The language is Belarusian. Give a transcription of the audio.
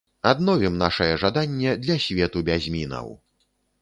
Адновім нашае жаданне для свету без мінаў.